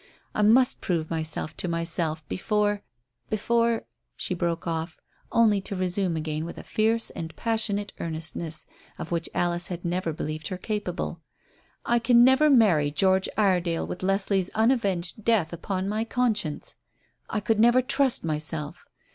I must prove myself to myself before before " She broke off, only to resume again with a fierce and passionate earnestness of which Alice had never believed her capable. "I can never marry George Iredale with Leslie's unavenged death upon my conscience. I could never trust myself.